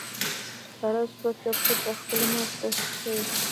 ساره سوچه پوچه خپلې مورته شوې ده.